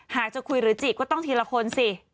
จะคุยหรือจีบก็ต้องทีละคนสิ